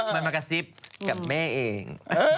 มันมากระซิบกับแม่เอง